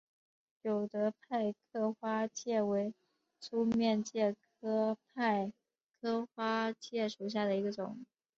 有德派克花介为粗面介科派克花介属下的一个种。